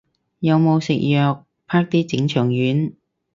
有冇食藥，啪啲整腸丸